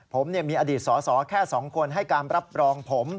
ผมมีอดีตสอสอแค่๒คนให้การรับรองผม